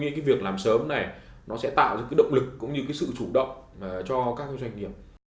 nhưng cái việc làm sớm này nó sẽ tạo ra cái động lực cũng như cái sự chủ động cho các cái doanh nghiệp